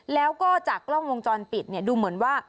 แล้วก็จากกล้องวงจรปิดเนี่ยดูเหมือนว่า